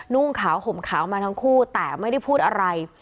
นุ่งขาวห่มขาวมาทั้งคู่แต่ไม่ได้พูดอะไร